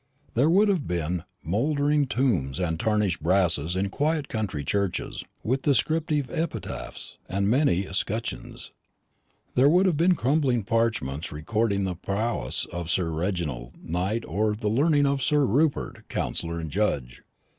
There would have been mouldering tombs and tarnished brasses in quiet country churches, with descriptive epitaphs, and many escutcheons. There would have been crumbling parchments recording the prowess of Sir Reginald, knight, or the learning of Sir Rupert, counsellor and judge.